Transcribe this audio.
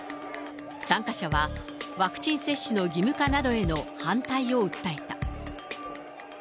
参加者はワクチン接種の義務化などへの反対を訴えた。